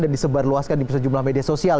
dan disebarluaskan di sejumlah media sosial